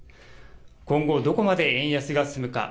今後、どこまで円安が進むか。